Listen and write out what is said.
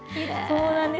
そうなんです。